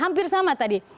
hampir sama tadi